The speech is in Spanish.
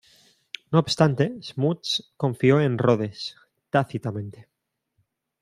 No obstante, Smuts confió en Rhodes tácitamente.